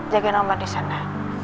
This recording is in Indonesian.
jagain omat disana